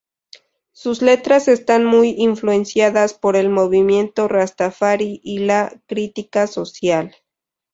Sus letras están muy influenciadas por el Movimiento Rastafari y la crítica social.